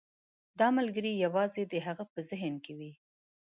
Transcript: دا ملګری یوازې د هغه په ذهن کې وي.